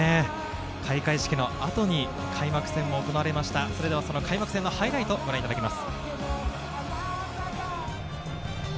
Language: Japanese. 開会式の後に開幕戦も行われました、その開幕戦のハイライトをご覧いただきます。